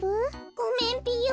ごめんぴよ。